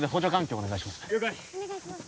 お願いします